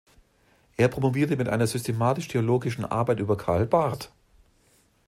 Er promovierte mit einer systematisch-theologischen Arbeit über Karl Barth.